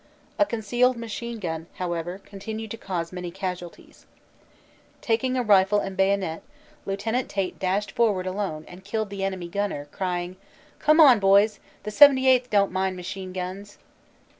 A concealed machine gun, however, continued to cause many casualties. Taking a rifle and bayonet Lieut. Tait dashed forward alone and killed the enemy gunner, crying, "Come on boys: the 78th. don t mind machine guns!"